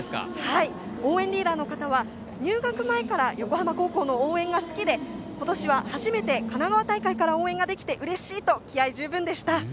応援リーダーの方は入学前から横浜高校の応援が好きで今年は初めて神奈川大会から応援ができてうれしいと気合い十分でした。